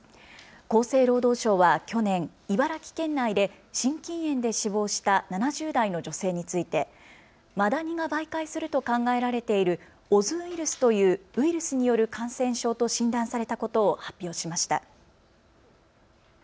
厚生労働省は去年、茨城県内で心筋炎で死亡した７０代の女性についてマダニが媒介すると考えられているオズウイルスというウイルスによる感染症と診断されたことを発表しました。